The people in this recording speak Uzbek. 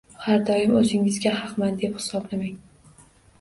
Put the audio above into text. Har doim o‘zingizni haqman deb hisoblamang.